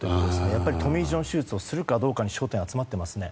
やっぱりトミー・ジョン手術をするかどうかに焦点が集まっていますね。